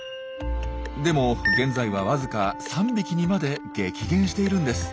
でも現在はわずか３匹にまで激減しているんです。